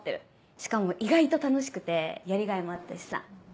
しかも意外と楽しくてやりがいもあったしさ。